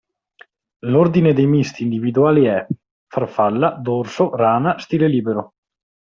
L'ordine dei misti individuali è: farfalla, dorso, rana, stile libero.